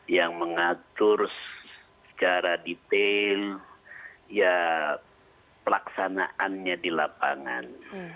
yang mengatur secara detail pelaksanaannya di lapangan